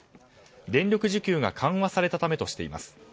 電力需給が緩和されたためとしています。